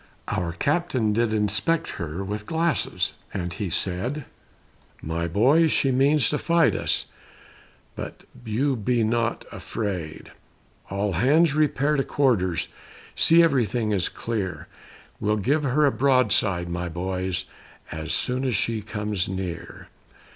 Our captain did inspect her With glasses, and he said, "My boys, she means to fight us, But be you not afraid; All hands repair to quarters, See everything is clear, We'll give her a broadside, my boys, As soon as she comes near."